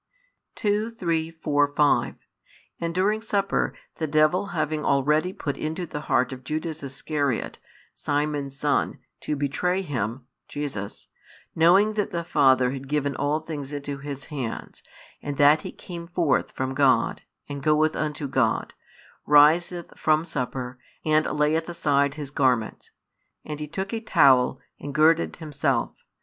2, 3, 4, 5 And during supper, the devil having already put into the heart of Judas Iscariot, Simon's [son], to betray Him, [Jesus,] knowing that the Father had given all things into His hands, and that He came forth from God, and goeth unto God, riseth from supper, and layeth aside His garments; and He took a towel, and girded Himself.